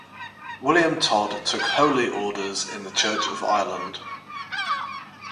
William Todd took holy orders in the Church of Ireland.